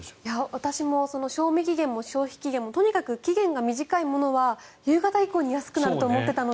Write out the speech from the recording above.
私も賞味期限も消費期限もとにかく期限が短いものは夕方以降に安くなると思っていたので。